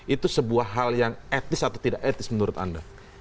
itu sebuah hal yang etis atau tidak etis menurut anda